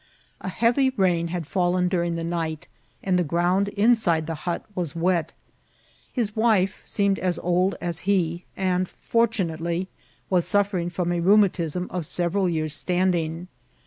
A heavy rain had frdlen during the night, and the ground inside the hut was wet. Hie wife seemed as old as he, and, fbrtuna«telyi was suffering from a rheumatism of several years' stand* ing.